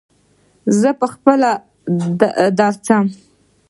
زه پهخپله درځم.